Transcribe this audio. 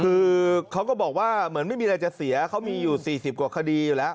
คือเขาก็บอกว่าเหมือนไม่มีอะไรจะเสียเขามีอยู่๔๐กว่าคดีอยู่แล้ว